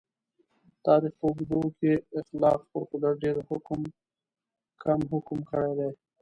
د تاریخ په اوږدو کې اخلاق پر قدرت ډېر کم حکم کړی دی.